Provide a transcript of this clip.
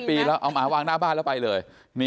เอาหมาวางหน้าบ้านแล้วไปเลย